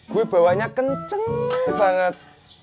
gue bawanya kenceng banget